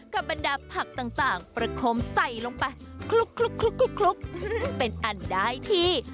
บรรดาผักต่างประคมใส่ลงไปคลุกเป็นอันได้ที่